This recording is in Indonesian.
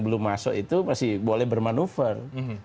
belum masuk itu masih boleh bermanuver